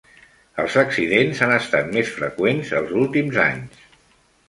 Els accidents han estat més freqüents els últims anys.